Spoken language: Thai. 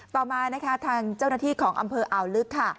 ต่อมาทางเจ้าหน้าที่ของอำเภออาวลึก